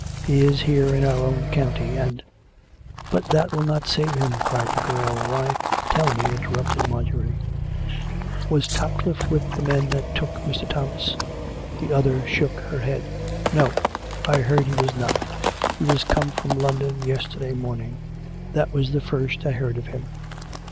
He is here in his own county, and "" But that will not save him !" cried the girl. " Why "" Tell me/' interrupted Marjorie, " was Topcliffe with the men that took Mr. Thomas }" The other shook her head. " No ; I heard he was not. He was come from London yesterday morning. That was the first I heard of him."